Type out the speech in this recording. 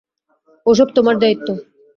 ওসব তোমার দায়িত্ব!